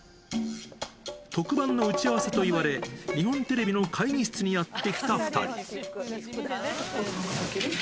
特番の打ち合わせと言われ、日本テレビの会議室にやって来た２人。